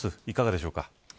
いかがでしょうか。